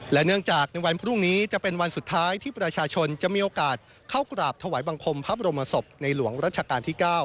และเนื่องจากในวันพรุ่งนี้จะเป็นวันสุดท้ายที่ประชาชนจะมีโอกาสเข้ากราบถวายบังคมพระบรมศพในหลวงรัชกาลที่๙